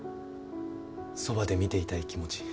そばで見ていたい気持ち。